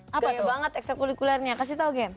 gaya banget ekstra kulikulernya kasih tau gem